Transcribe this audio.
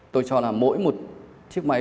tôi cho là mỗi một chiếc máy